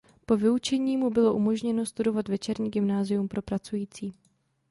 Po vyučení mu bylo umožněno studovat večerní gymnázium pro pracující.